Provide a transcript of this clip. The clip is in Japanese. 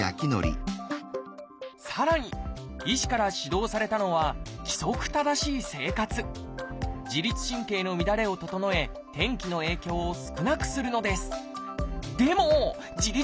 さらに医師から指導されたのは自律神経の乱れを整え天気の影響を少なくするのです。